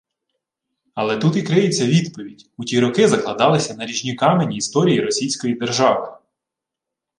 Але тут і криється відповідь: у ті роки закладалися наріжні камені історії Російської держави